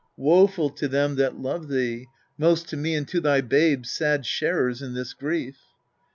Woeful to them that love thee : most to me And to thy babes, sad sharers in this grief.